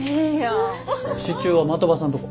支柱は的場さんとこ？